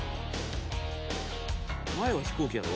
「前は飛行機なの？」